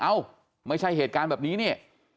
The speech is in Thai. เอ้าไม่ใช่เหตุการณ์แบบนี้นี่